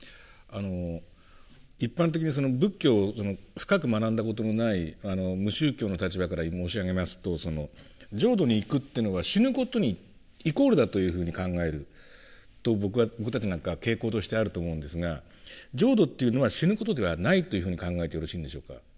一般的に仏教を深く学んだことのない無宗教の立場から申し上げますとその浄土に行くというのが死ぬことにイコールだというふうに考えると僕たちなんかは傾向としてあると思うんですが浄土というのは死ぬことではないというふうに考えてよろしいんでしょうか。